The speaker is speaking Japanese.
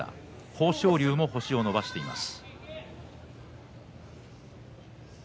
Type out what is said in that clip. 豊昇龍も星を伸ばしています。